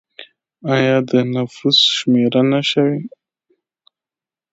آیا د نفوس شمېرنه شوې؟